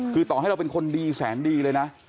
คือต่อให้เราเป็นคนดีแสนดีเลยนะ